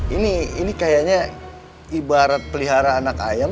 ini ini kayaknya ibarat pelihara anak ayam